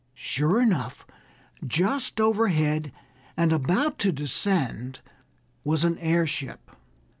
Sure enough, just overhead and about to descend was an airship.